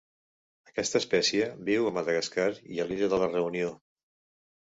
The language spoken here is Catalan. Aquesta espècie viu a Madagascar i a l'Illa de la Reunió.